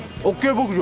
牧場！